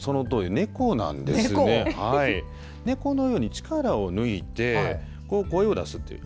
猫のように力を抜いて声を出すっていう。